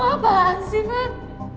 apaan sih bel